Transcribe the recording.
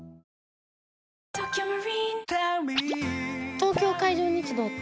東京海上日動って？